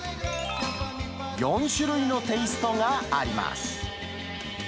４種類のテーストがあります。